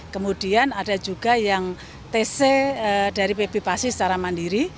kemudian ada juga yang tc dari pb pasi secara mandiri